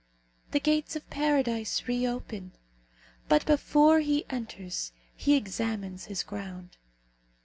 The gates of Paradise reopen; but before he enters he examines his ground.